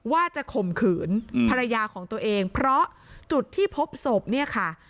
ว่าจะข่มขืนภรรยาของตัวเองเพราะจุดที่พบศพเนี่ยค่ะ